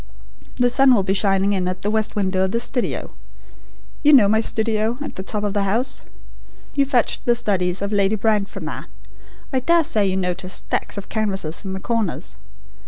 The sun will be shining in at the west window of the studio. You know my studio at the top of the house? You fetched the studies of Lady Brand from there. I dare say you noticed stacks of canvases in the corners.